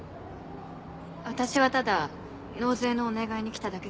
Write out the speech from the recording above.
私はただ納税のお願いに来ただけです。